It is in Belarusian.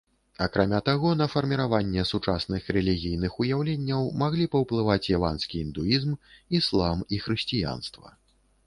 Акрамя таго, на фарміраванне сучасных рэлігійных уяўленняў маглі паўплываць яванскі індуізм, іслам і хрысціянства.